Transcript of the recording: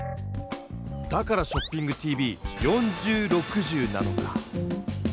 だから「ショッピングＴＶ４０／６０」なのか！